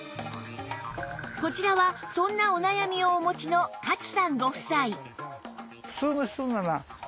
こちらはそんなお悩みをお持ちの勝さんご夫妻